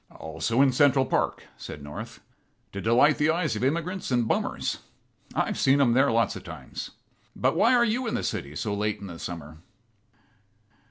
"Also in Central Park," said North, "to delight the eyes of immigrants and bummers. I've seen em there lots of times. But why are you in the city so late in the summer?"